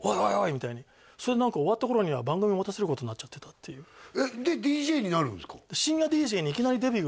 みたいにそれで何か終わった頃には番組持たせることになっちゃってたっていうえっでＤＪになるんですか？